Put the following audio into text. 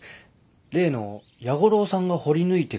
例の弥五郎さんが掘り抜いてくれた。